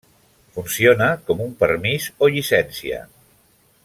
Funciona com un permís o llicència.